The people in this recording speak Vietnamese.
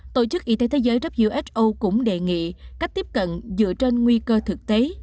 tổ chức y tế thế giới who cũng đề nghị cách tiếp cận dựa trên nguy cơ thực tế